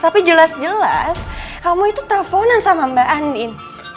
tapi jelas jelas kamu itu teleponan sama mbak andin